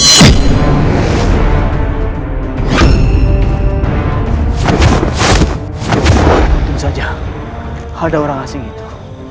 tentu saja hal ada orang asing itu